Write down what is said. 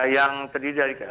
yang terdiri dari